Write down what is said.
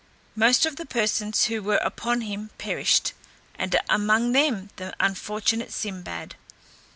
Most of the persons who were upon him perished, and among them the unfortunate Sinbad.